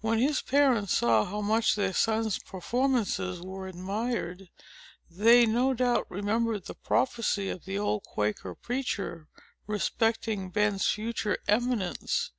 When his parents saw how much their son's performances were admired, they no doubt remembered the prophecy of the old Quaker preacher, respecting Ben's future eminence.